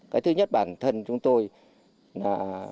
cái thứ nhất bản thân chúng tôi là